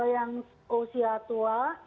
yang usia tua